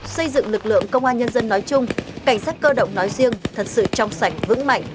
xây dựng lực lượng công an nhân dân nói chung cảnh sát cơ động nói riêng thật sự trong sảnh vững mạnh